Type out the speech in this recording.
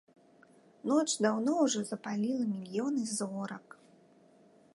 Ноч даўно ўжо запаліла мільёны зорак.